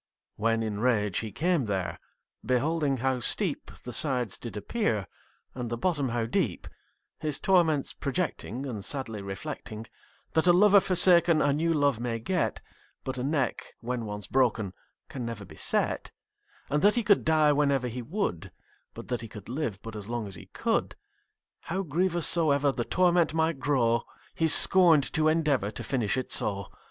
When in rage he came there, Beholding how steep The sides did appear, And the bottom how deep, His torments projecting And sadly reflecting, That a lover forsaken A new love may get; But a neck, when once broken, Can never be set: And that he could die Whenever he would; But that he could live But as long as he could: How grievous soever The torment might grow, He scorn'd to endeavour To finish it so.